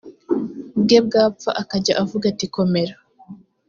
bwe bwapfa akajya avuga ati komera